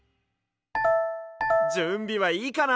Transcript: じゅんびはいいかな？